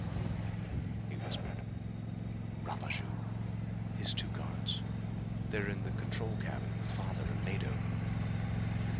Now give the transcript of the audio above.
"Who?" he whispered. "Rapaju his two guards. They're in the control cabin with father and Mado."